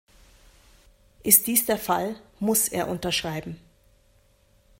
Ist dies der Fall, "muss" er unterschreiben.